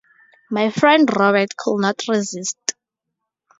My friend Robert could not resist.